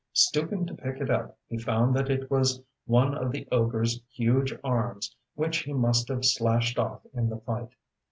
Stooping to pick it up he found that it was one of the ogreŌĆÖs huge arms which he must have slashed off in the fight.